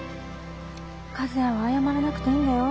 和也は謝らなくていいんだよ。